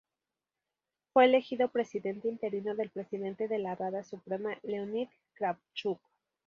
Fue elegido presidente interino el Presidente de la Rada Suprema, Leonid Kravchuk.